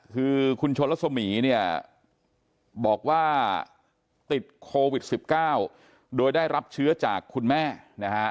คือคุณชนรสมีเนี่ยบอกว่าติดโควิด๑๙โดยได้รับเชื้อจากคุณแม่นะฮะ